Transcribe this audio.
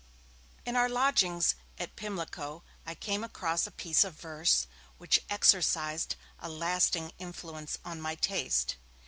In our lodgings at Pimlico I came across a piece of verse which exercised a lasting influence on my taste.